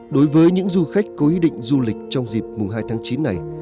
đối với những du khách có ý định du lịch trong dịp mùng hai tháng chín này